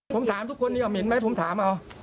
ผมถามทุกคนมีเหม็นไหมผมถาม